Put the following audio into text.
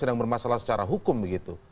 sedang bermasalah secara hukum begitu